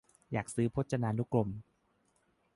เขาอยากซื้อพจนานุกรม